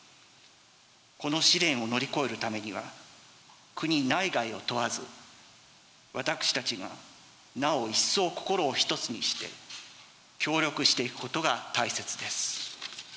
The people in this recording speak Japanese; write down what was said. この試練を乗り越えるためには、国内外を問わず、私たちがなお一層心を一つにして、協力していくことが大切です。